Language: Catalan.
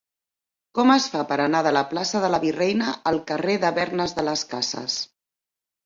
Com es fa per anar de la plaça de la Virreina al carrer de Bergnes de las Casas?